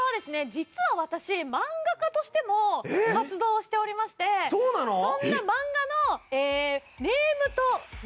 実は私漫画家としても活動をしておりましてそんな漫画のネームと原画でございます。